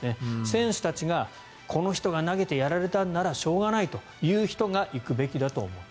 選手たちがこの人が投げてやられたならしょうがないという人が行くべきだと思った。